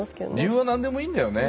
理由は何でもいいんだよね。